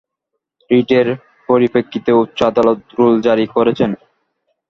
রিটের পরিপ্রেক্ষিতে উচ্চ আদালত রুল জারি করেছেন।